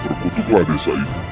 terkutuklah desa ini